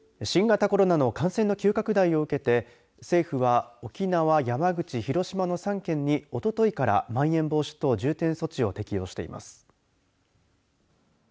新型コロナの感染の急拡大を受けて政府は沖縄、山口、広島の３県におとといからまん延防止等重点措置を適用しています。